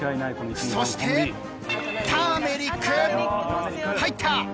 そしてターメリック入った！